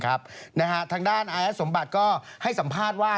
ทางด้านอายัดสมบัติก็ให้สัมภาษณ์ว่า